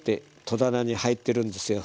戸棚に入ってるんですよ。